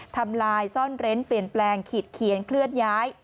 ทำลายซ่อนเร้นเปลี่ยนแปลงขีดเขียนเคลื่อนย้าย